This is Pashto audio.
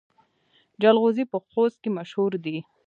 جلغوزي په خوست کې مشهور دي